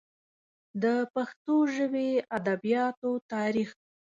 د پښتو ژبې ادبیاتو تاریخ